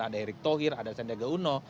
ada erick thohir ada sandiaga uno